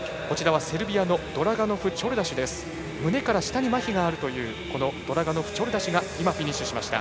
セルビアのドラガノフチョルダシュ胸から下にまひがあるというドラガノフチョルダシュが今、フィニッシュしました。